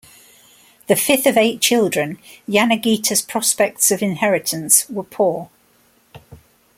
The fifth of eight children, Yanagita's prospects of inheritance were poor.